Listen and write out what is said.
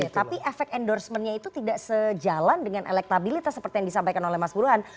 oke tapi efek endorsementnya itu tidak sejalan dengan elektabilitas seperti yang disampaikan oleh mas buruhan